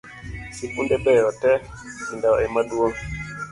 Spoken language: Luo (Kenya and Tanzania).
Sikunde beyo te, kinda emaduong’